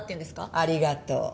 ありがとう。